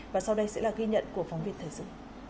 và sau đây sẽ là ghi nhận của phóng viên thời sự